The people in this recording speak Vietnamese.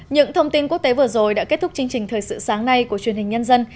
những thông tin quốc tế vừa rồi đã kết thúc chương trình thời sự sáng nay của truyền hình nhân dân